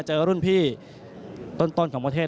เจอรุ่นพี่ต้นของประเทศ